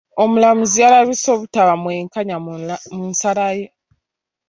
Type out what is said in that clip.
Omulamuzi yalabise obutaba mwenkanya mu nsala ye.